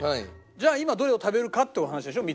じゃあ今どれを食べるかってお話でしょ。